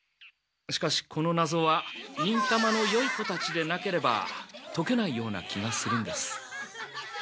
しかしこのなぞは忍たまのよい子たちでなければとけないような気がするんです。